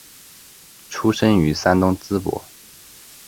出生于山东淄博。